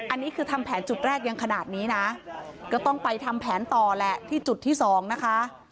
อันนี้คือทำแผนจุดแรกยังขนาดนี้นะก็ต้องไปทำแผนต่อแหละที่จุดที่สองนะคะ